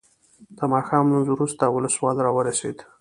د ماښام لمونځ وروسته ولسوال راورسېد.